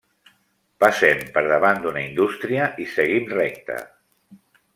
Passem per davant d'una indústria i seguim recte.